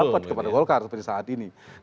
dapat kepada golkar seperti saat ini